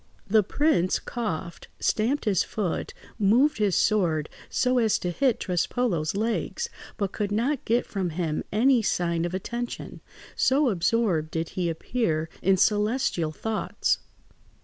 The prince coughed, stamped his foot, moved his sword so as to hit Trespolo's legs, but could not get from him any sign of attention, so absorbed did he appear in celestial thoughts.